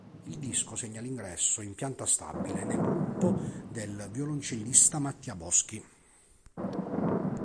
Il disco segna l'ingresso in pianta stabile nel gruppo del violoncellista Mattia Boschi.